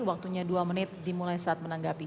waktunya dua menit dimulai saat menanggapi